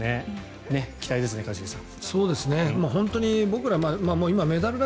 期待ですね、一茂さん。